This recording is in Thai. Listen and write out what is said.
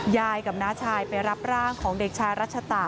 ยายกับน้าชายไปรับร่างของเด็กชายรัชตะ